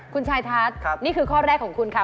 คุณชายทัศน์นี่คือข้อแรกของคุณค่ะ